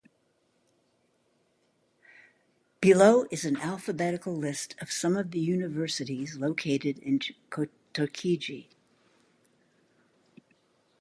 Below is an alphabetical list of some of the universities located in Tochigi.